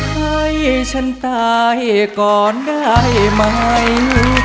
ให้ฉันตายก่อนได้ไหม